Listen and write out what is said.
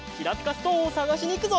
ストーンをさがしにいくぞ！